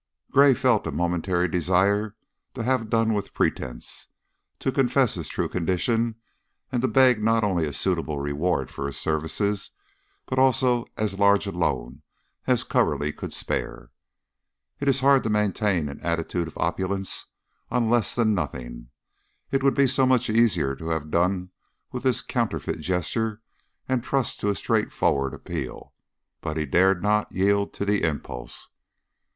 Gray felt a momentary desire to have done with pretense, to confess his true condition and to beg not only a suitable reward for his services, but also as large a loan as Coverly could spare. It is hard to maintain an attitude of opulence on less than nothing; it would be so much easier to have done with this counterfeit gesture and trust to a straightforward appeal. But he dared not yield to the impulse.